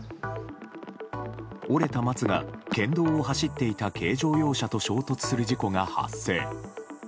折れた松が、県道を走っていた軽乗用車と衝突する事故が発生。